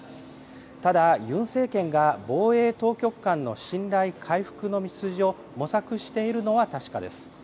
ただ、ユン政権が防衛当局間の信頼回復の道筋を模索しているのは確かです。